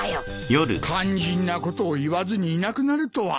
肝心なことを言わずにいなくなるとは。